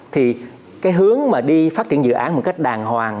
thì cái hướng mà đi phát triển dự án một cách đàng hoàng